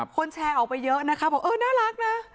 แชร์ออกไปเยอะนะคะบอกเออน่ารักนะ